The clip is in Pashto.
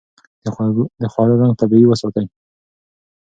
د خوړو رنګ طبيعي وساتئ.